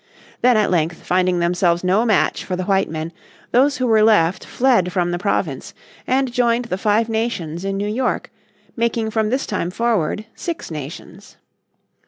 Then at length, finding themselves no match for the white men, those who were left fled from the province and joined the Five Nations in New York, making from this time forward Six Nations.